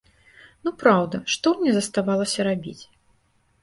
Ну праўда, што мне заставалася рабіць?